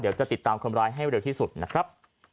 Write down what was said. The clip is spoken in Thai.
เดี๋ยวจะติดตามคนร้ายให้เร็วที่สุดนะครับ